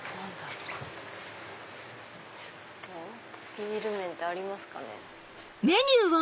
ビール麺ってありますかね。